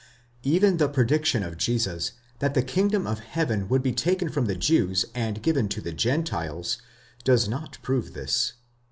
Even the prediction of Jesus that the kingdom of heaven would be taken from the Jews and given to the Gentiles, does not prove this.